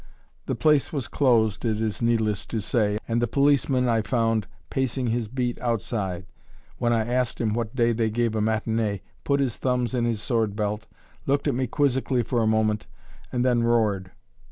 The place was closed, it is needless to say, and the policeman I found pacing his beat outside, when I asked him what day they gave a matinée, put his thumbs in his sword belt, looked at me quizzically for a moment, and then roared.